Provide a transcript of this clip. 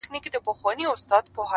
اول سلام ،پسې اتام.